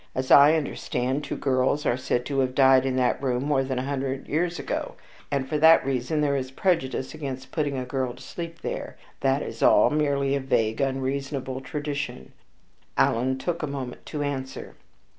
As I understand, two girls are said to have died in that room more than a hundred years ago, and for that reason there is a prejudice against putting a girl to sleep there. That is all. Merely a vague, unreasonable tradition." Alan took a moment to answer.